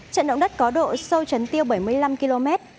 trận động đất có độ sâu chấn tiêu bảy mươi năm km